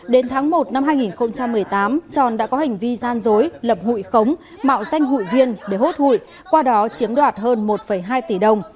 đến tháng một năm hai nghìn một mươi tám tròn đã có hành vi gian dối lập hủy khống mạo danh hủy viên để hút hủy qua đó chiếm đoạt hơn một hai tỷ đồng